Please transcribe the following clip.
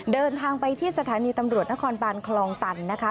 เดินทางไปที่สถานีตำรวจนครบานคลองตันนะคะ